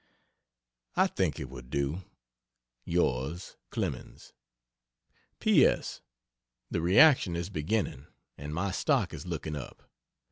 I think it will do. Yrs. CLEMENS. P. S. The reaction is beginning and my stock is looking up.